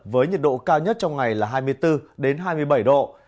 với nhiệt độ cao nhất trong ngày là hai mươi bốn hai mươi bảy độ